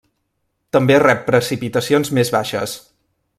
També rep precipitacions més baixes.